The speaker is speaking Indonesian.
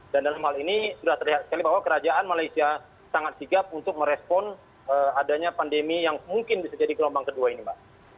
dan dalam hal ini sudah terlihat sekali bahwa kerajaan malaysia sangat sigap untuk merespon adanya pandemi yang mungkin bisa jadi gelombang kedua ini mbak